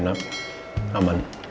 sebelum kita makan